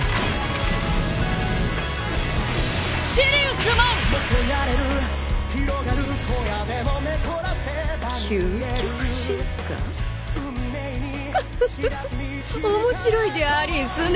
クフフフ面白いでありんすね！